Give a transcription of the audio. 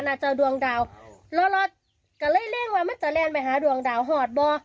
จ้ะน่าจะดวงดาวแล้วก็เลยเร่งมามันจะเร่งไปหาดวงดาวหอดบ่ะ